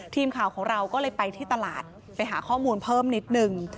ทีมข่าวของเราก็เลยไปที่ตลาดไปหาข้อมูลเพิ่มนิดนึง